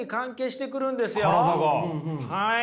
はい。